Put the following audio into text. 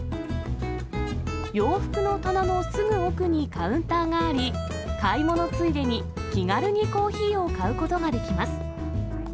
洋服の棚のすぐ奥にカウンターがあり、買い物ついでに、気軽にコーヒーを買うことができます。